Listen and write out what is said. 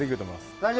大丈夫！